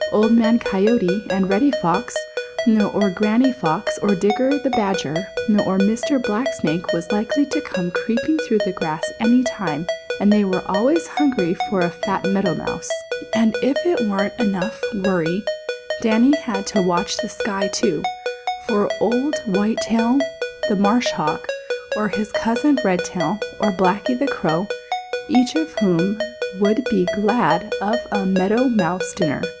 Old Man Coyote or Reddy Fox or Granny Fox or Digger the Badger or Mr. Blacksnake was likely to come creeping through the grass any time, and they are always hungry for a fat Meadow Mouse. And as if that weren't worry enough, Danny had to watch the sky, too, for Old Whitetail the Marsh Hawk, or his cousin Redtail, or Blacky the Crow, each of whom would be glad of a Meadow Mouse dinner.